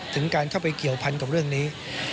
ถึงการเข้าไปเกี่ยวพันกับเรื่องนี้